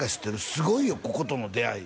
すごいよこことの出会い